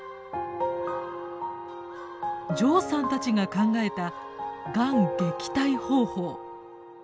ジョウさんたちが考えたがん撃退方法。